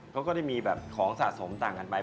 ก็ได้มีแบบของสะสมต่างกันไป